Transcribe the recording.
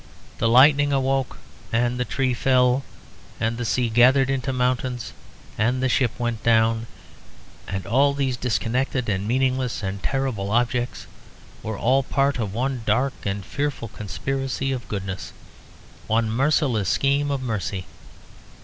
The lightning awoke and the tree fell and the sea gathered into mountains and the ship went down, and all these disconnected and meaningless and terrible objects were all part of one dark and fearful conspiracy of goodness, one merciless scheme of mercy.